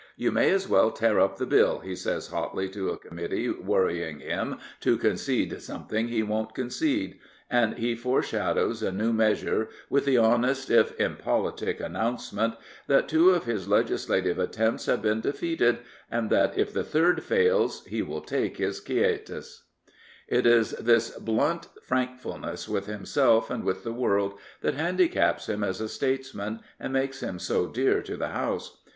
" You may as well tear up the Bill," he says hotly to a committee worrying him to concede something he won't concede, and he foreshadows a new measure with the honest if impolitic announcement that two of his legislative attempts have been defeated, and that if the third fails he will take his quietus. 318 Augustine Birrell, K.C. It is this blunt frankness with himself and with the world that handicaps him as a statesman, and makes him so dear to the House.